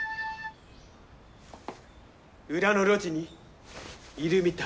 裏の路地にいるみたい。